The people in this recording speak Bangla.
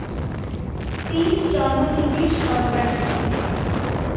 তিনি শ্রমজীবীর সন্তান ছিলেন।